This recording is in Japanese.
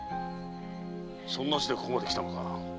そんな足でここまで来たのか？